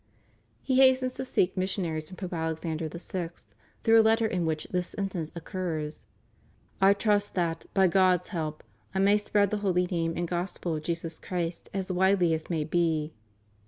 He hastens to seek mission aries from Pope Alexander VL, through a letter in which this sentence occurs: "I trust that, by God's help, I may spread the Holy Name and Gospel of Jesus Christ as widely as may be."